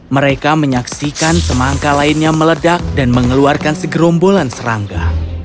mereka menyaksikan semangka lainnya meledak dan mengeluarkan segerombolan serangga